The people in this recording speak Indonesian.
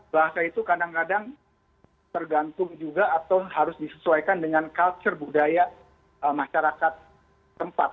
bahasa itu kadang kadang tergantung juga atau harus disesuaikan dengan culture budaya masyarakat tempat